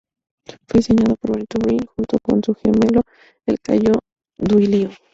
Fue diseñado por Benedetto Brin, junto a su gemelo el Caio Duilio.